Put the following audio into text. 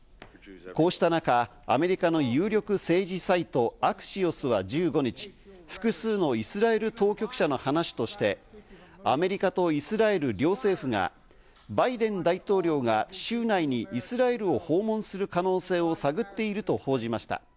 こうした中、アメリカの有力政治サイト、アクシオスは１５日、複数のイスラエル当局者の話として、アメリカとイスラエル両政府がバイデン大統領が週内にイスラエルを訪問する可能性を探っていると報じました。